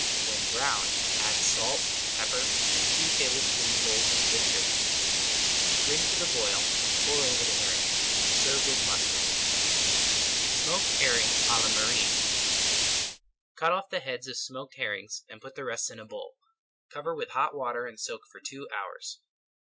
When brown add salt, pepper, [Page 200] and two tablespoonfuls of vinegar. Bring to the boil and pour over the herring. Serve with mustard. SMOKED HERRING À LA MARINE Cut off the heads of smoked herrings and put the rest in a bowl. Cover with hot water and soak for two hours.